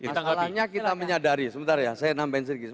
artinya kita menyadari sebentar ya saya nambahin sedikit